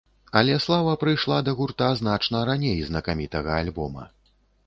Але слава прыйшла да гурта значна раней знакамітага альбома.